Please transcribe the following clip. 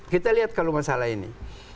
kita lihat kalau masalah ini